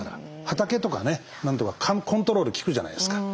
畑とかねなんとかコントロール利くじゃないですか。